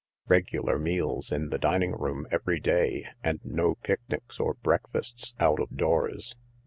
Regular meals, in the dining room, every day, and no picnics or breakfasts out of doors.